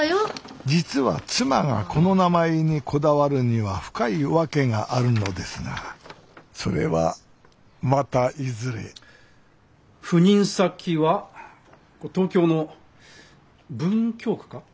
実は妻がこの名前にこだわるには深い訳があるのですがそれはまたいずれ赴任先は東京の文京区か？